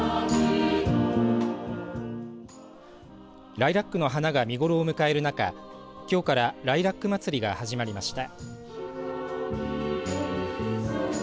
ライラックの花が見頃を迎える中きょうからライラックまつりが始まりました。